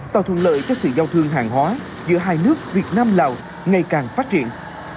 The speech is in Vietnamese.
tạo thuận lợi cho sự giao thương hàng hóa giữa hai nước việt nam lào ngày càng phát triển